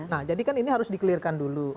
nah jadikan ini harus di clear kan dulu